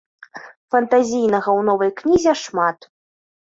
Фантазійнага ў новай кнізе шмат.